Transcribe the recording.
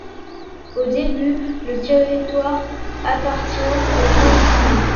Au début, le territoire appartient aux Templiers.